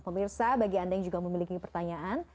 pemirsa bagi anda yang juga memiliki pertanyaan